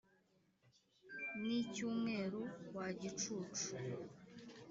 nicyumweru, wa gicucu!